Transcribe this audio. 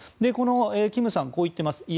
このキムさん、こう言っています